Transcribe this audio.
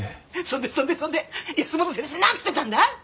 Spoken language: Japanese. そんでそんでそんで保本先生何つってたんだい？